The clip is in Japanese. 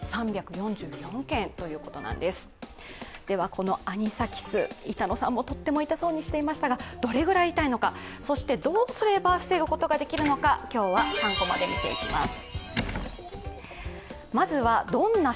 このアニサキス、板野さんもとっても痛そうにしていましたがどれぐらい痛いのか、そしてどうすれば防ぐことができるのか今日は３コマで見ていきます。